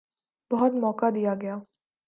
بہت موقع دیا گیا۔